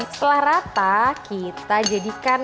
setelah rata kita jadikan